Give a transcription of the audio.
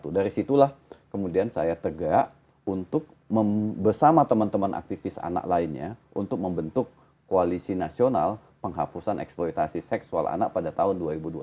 dari situlah kemudian saya tegak untuk bersama teman teman aktivis anak lainnya untuk membentuk koalisi nasional penghapusan eksploitasi seksual anak pada tahun dua ribu dua puluh